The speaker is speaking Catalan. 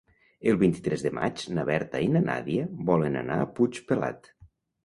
El vint-i-tres de maig na Berta i na Nàdia volen anar a Puigpelat.